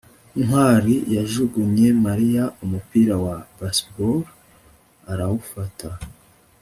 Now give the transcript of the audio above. ntwali yajugunye mariya umupira wa baseball arawufata